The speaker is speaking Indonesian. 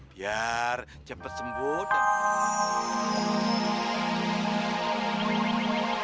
biar cepet sembuh dan